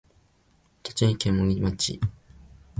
栃木県茂木町